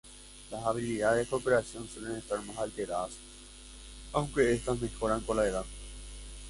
Las habilidades de cooperación suelen estar más alteradas, aunque estas mejoran con la edad.